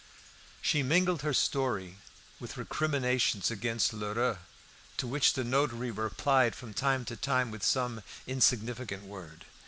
She mingled her story with recriminations against Lheureux, to which the notary replied from time to time with some insignificant word.